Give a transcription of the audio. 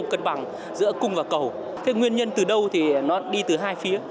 nguyên nhân từ đâu thì nó đi từ hai phía